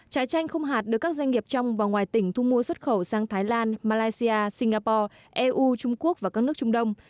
trái chanh không hạt được các doanh nghiệp trong và ngoài tỉnh thu mua xuất khẩu sang thái lan malaysia singapore eu trung quốc và các nước trung đông